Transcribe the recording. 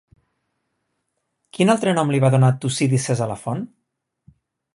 Quin altre nom li va donar Tucídides a la font?